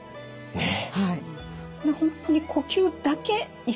ねえ。